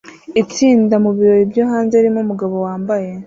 Itsinda mu birori byo hanze ririmo umugabo wambaye